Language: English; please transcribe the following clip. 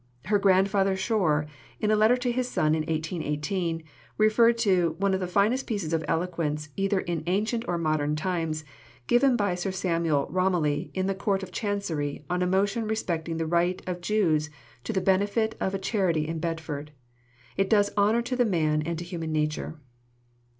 Her grandfather Shore, in a letter to his son in 1818, referred to "one of the finest pieces of eloquence either in ancient or modern times, given by Sir Samuel Romilly in the Court of Chancery on a motion respecting the right of Jews to the benefit of a charity in Bedford. It does honour to the man and to human nature."